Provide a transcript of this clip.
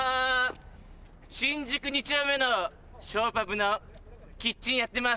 新宿二丁目のショーパブのキッチンやってます。